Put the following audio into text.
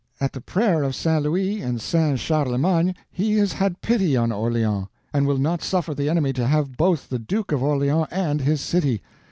At the prayer of St. Louis and St. Charlemagne He has had pity on Orleans, and will not suffer the enemy to have both the Duke of Orleans and his city.